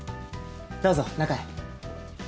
どうぞ中へ。